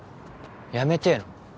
やめてえの？